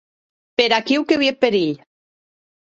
Per aquiu que vie eth perilh.